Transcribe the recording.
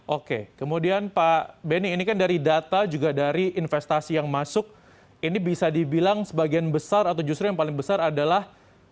oke kemudian pak benny ini kan dari data juga dari investasi yang masuk ini bisa dibilang sebagian besar atau justru yang paling besar adalah